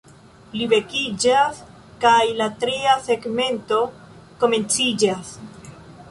Li vekiĝas kaj la tria segmento komenciĝas.